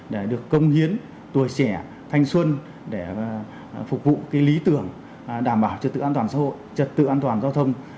để được công hiến tuổi trẻ thanh xuân để phục vụ lý tưởng đảm bảo trật tự an toàn xã hội trật tự an toàn giao thông